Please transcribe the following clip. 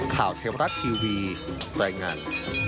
ข่าวเทวรัฐทีวีแปลงาน